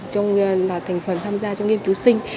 trong thành phần tham gia trong nghiên cứu sinh